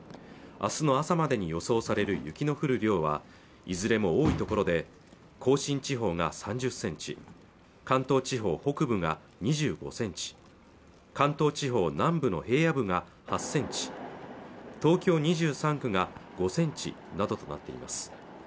明日の朝までに予想される雪の降る量はいずれも多いところで甲信地方が３０センチ関東地方北部が２５センチ関東地方南部の平野部が８センチ東京２３区が５センチなどとなっています